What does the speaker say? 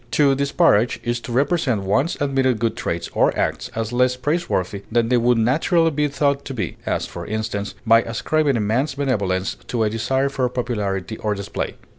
To disparage is to represent one's admitted good traits or acts as less praiseworthy than they would naturally be thought to be, as for instance, by ascribing a man's benevolence to a desire for popularity or display.